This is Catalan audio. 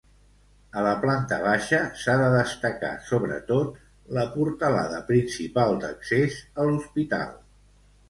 A la planta baixa, s'ha de destacar, sobretot, la portalada principal d'accés a l'hospital.